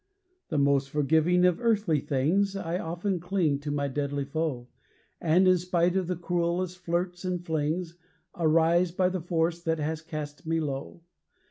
The most forgiving of earthly things, I often cling to my deadly foe; And, spite of the cruellest flirts and flings, Arise by the force that has cast me low.